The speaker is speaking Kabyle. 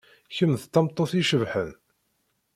Kemm d tameṭṭut icebḥen.